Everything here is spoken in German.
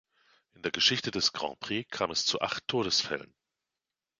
In der Geschichte des Grand Prix kam es zu acht Todesfällen.